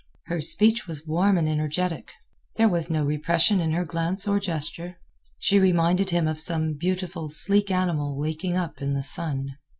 Her speech was warm and energetic. There was no repression in her glance or gesture. She reminded him of some beautiful, sleek animal waking up in the sun.